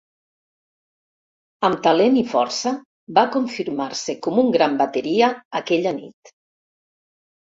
Amb talent i força va confirmar-se com un gran bateria aquella nit.